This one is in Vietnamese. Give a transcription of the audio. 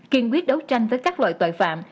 kiên quyết đấu tranh với các loại tội phạm